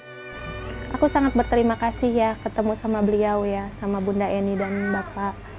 karena saya juga sangat berterima kasih ya ketemu sama beliau ya sama bunda eni dan bapak